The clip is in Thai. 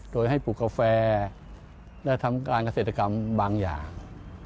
โดยให้ปลูกกาแฟและทำการเกษตรกรรมบางอย่าง